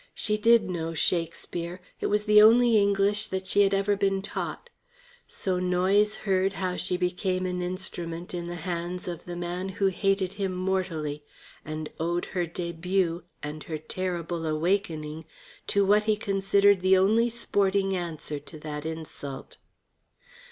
She did know Shakespeare; it was the only English that she had ever been taught. So Noyes heard how she became an instrument in the hands of the man who hated him mortally, and owed her debut and her terrible awakening to what he considered the only sporting answer to that insult.